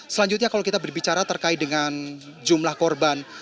selanjutnya kalau kita berbicara terkait dengan jumlah korban